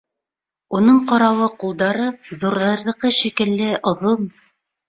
Уның ҡарауы, ҡулдары ҙурҙарҙыҡы шикелле оҙон.